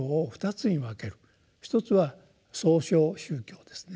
一つは「創唱宗教」ですね。